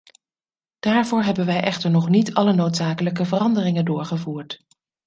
Daarvoor hebben wij echter nog niet alle noodzakelijke veranderingen doorgevoerd.